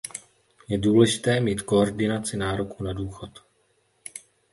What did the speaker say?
Je důležité mít koordinaci nároků na důchod.